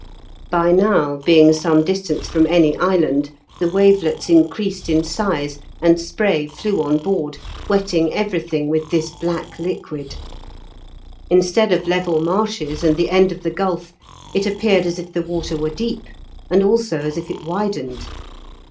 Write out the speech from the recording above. By now being some distance from any island, the wavelets increased in size, and spray flew on board, wetting everything with this black liquid. Instead of level marshes and the end of the gulf, it appeared as if the water were deep, and also as if it widened.